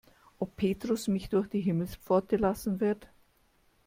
Ob Petrus mich durch die Himmelspforte lassen wird?